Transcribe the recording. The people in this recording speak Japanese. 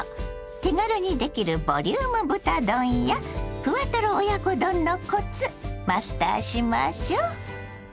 手軽にできるボリューム豚丼やふわトロ親子丼のコツマスターしましょう。